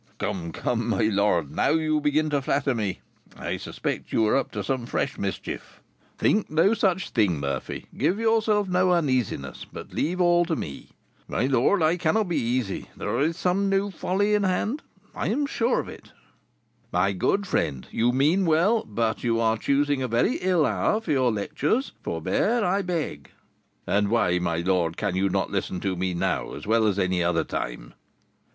"Come, come, my lord, now you begin to flatter me, I suspect you are up to some fresh mischief." "Think no such thing, Murphy; give yourself no uneasiness, but leave all to me." "My lord, I cannot be easy; there is some new folly in hand, and I am sure of it." "My good friend, you mean well; but you are choosing a very ill hour for your lectures; forbear, I beg." "And why, my lord, can you not listen to me now, as well as any other time?"